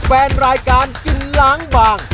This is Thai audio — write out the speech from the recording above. แฟนรายการกินล้างบาง